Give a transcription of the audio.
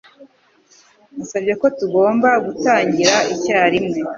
Nasabye ko tugomba gutangira icyarimwe.